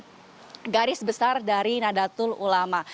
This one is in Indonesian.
bersama dengan yeni wahid yang berpengurusan dari keluarga besar dari nadatul ulama